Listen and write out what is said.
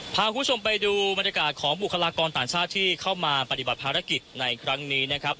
พาคุณผู้ชมไปดูบรรยากาศของบุคลากรต่างชาติที่เข้ามาปฏิบัติภารกิจในครั้งนี้นะครับ